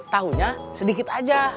tahunya sedikit aja